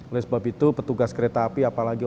oleh sebab itu petugas kereta api apalagi